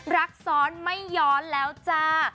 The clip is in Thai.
รักซ้อนไม่ย้อนแล้วจ้า